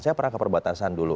saya pernah ke perbatasan dulu